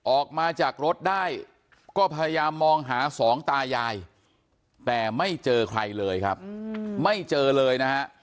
ออกมาจากรถได้ก็พยายามมองหาสองตายายแต่ไม่เจอใครเลยครับไม่เจอเลยนะฮะ